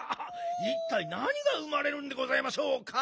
いったいなにが生まれるんでございましょうか？